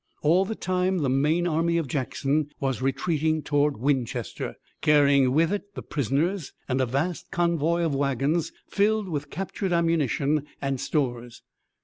All the time the main army of Jackson was retreating toward Winchester, carrying with it the prisoners and a vast convoy of wagons filled with captured ammunition and stores.